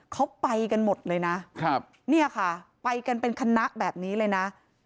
เขาไปกันหมดเลยนะเนี่ยค่ะไปกันเป็นคณะแบบนี้เลยนะ